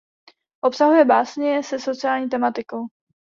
Obsahuje básně se sociální tematikou.